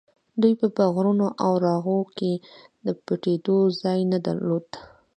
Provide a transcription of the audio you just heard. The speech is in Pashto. دوی به په غرونو او راغو کې د پټېدو ځای نه درلود.